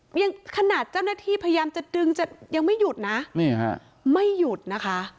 ยังขนาดเจ้าหน้าที่พยายามจะดึงจะยังไม่หยุดนะนี่ฮะไม่หยุดนะคะ